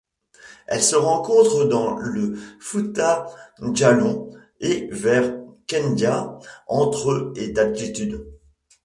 Elle se rencontre dans les Fouta-Djalon et vers Kindia entre et d'altitude.